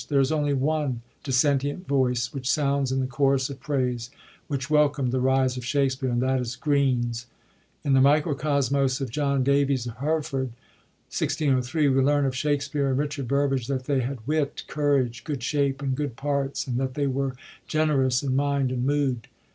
There is only one dissentient voice which sounds in the chorus of praise which wel eomd the rise of Shakspere, and that is Greene's. In the Microcoamos of John Davies of Hereford (1603) we learn of Shakspere and Richard Burbage that they had wit, courage, good shape and good parts, and that they were generous in mind and mood.